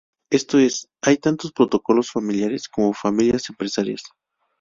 Esto es, hay tantos protocolos familiares como familias empresarias.